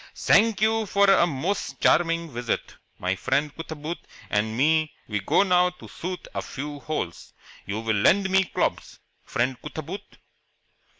"Zank you for a most charming visit. My friend Cootaboot and me we go now to shoot a few holes. You will lend me clobs, friend Cootaboot?"